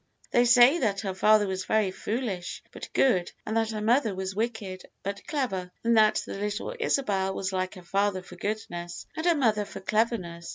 They say that her father was very foolish, but good, and that her mother was wicked, but clever, and that the little Isabel was like her father for goodness and her mother for cleverness.